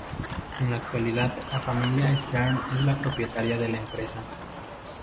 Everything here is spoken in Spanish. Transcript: En la actualidad la familia Stern es la propietaria de la empresa.